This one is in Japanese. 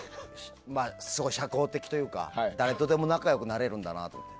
すごい社交的というか誰とでも仲良くなれるんだなって。